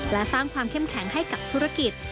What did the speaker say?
และสร้างความเข้มแข็งให้กับธุรกิจ